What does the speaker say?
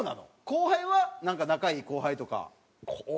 後輩はなんか仲いい後輩とか。